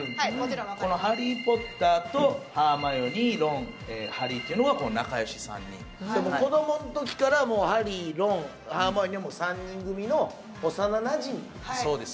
このハリー・ポッターとハーマイオニーロンハリーってのが仲良し３人子供の時からハリーロンハーマイオニーは３人組の幼なじみそうです